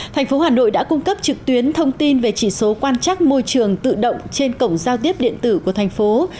thành phố hà nội đã cung cấp trực tuyến thông tin về chỉ số quan trắc môi trường tự động trên cổng giao tiếp điện tử của thành phố